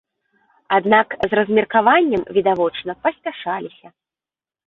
Аднак з размеркаваннем відавочна паспяшаліся.